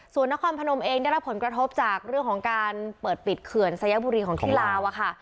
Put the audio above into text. ส่วนนครพนมเองได้รับผลกระทบจากเรื่องของการเปิดปิดเขื่อนสายบุรีของที่ลาวอะค่ะ